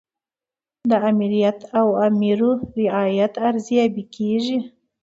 د آمریت د اوامرو رعایت ارزیابي کیږي.